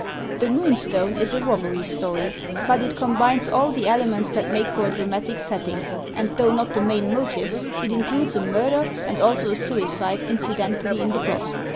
"The Moonstone" is a robbery story, but it combines all the elements that make for a dramatic setting, and though not the main motive, it includes a murder, and also a suicide, incidentally in the plot.